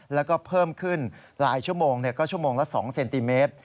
แล้วก็เพิ่มขึ้นหลายชั่วโมงก็ชั่วโมงละ๒เซนติเมตร